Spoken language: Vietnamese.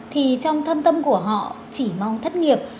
thì trong thâm tâm của họ chỉ mong thất nghiệp